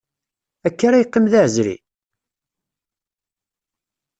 Akka ara yeqqim d aεezri?